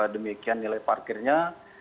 demikian nilai parkirnya